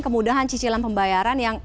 kemudahan cicilan pembayaran yang